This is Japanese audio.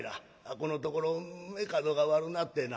このところ目角が悪なってな。